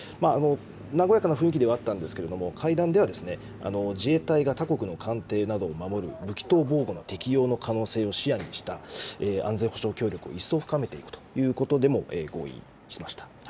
和やかな雰囲気ではあったんですけれども、会談では自衛隊が他国の艦艇などを守る武器の適用を視野にした安全保障協力を一層深めていくということでも合意しました。